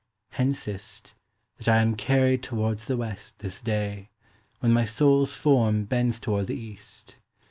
Hence is't, that I am carryed towards the WestThis day, when my Soules forme bends toward the East.